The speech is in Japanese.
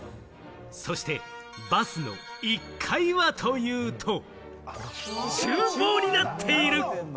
そしてバスの１階はというと、厨房になっている。